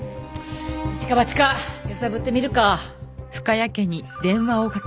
一か八か揺さぶってみるか。